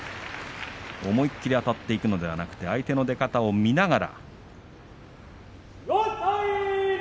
思い切りあたっていくのではなくて、相手の出方を見ながら。